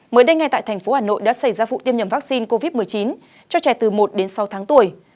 mới đây ngay tại thành phố hà nội đã xảy ra vụ tiêm nhầm vaccine covid một mươi chín cho trẻ từ một đến sáu tháng tuổi